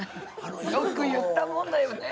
よく言ったもんだよね。